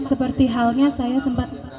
seperti halnya saya sempat